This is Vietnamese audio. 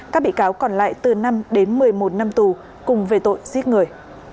các bị cáo còn lại từ năm đến một mươi một năm tù cùng về tội giết người